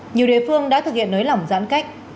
nhiều địa phương đã thực hiện nới lỏng giãn cách